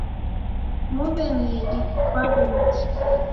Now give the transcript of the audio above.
Muw'e midi kwa w'ungi.